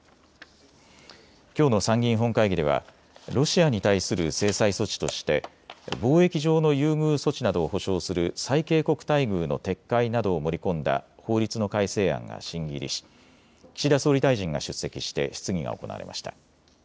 きょうの参議院本会議ではロシアに対する制裁措置として貿易上の優遇措置などを保障する最恵国待遇の撤回などを盛り込んだ法律の改正案が審議入りし岸田総理大臣が出席して質疑が行われました。